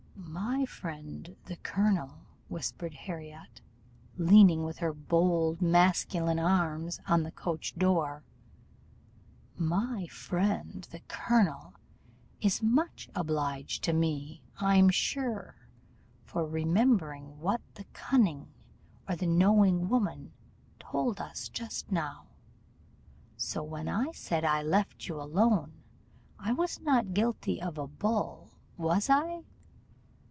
'My friend the colonel,' whispered Harriot, leaning with her bold masculine arms on the coach door 'my friend the colonel is much obliged to me, I'm sure, for remembering what the cunning or the knowing woman told us just now: so when I said I left you alone, I was not guilty of a bull, was I?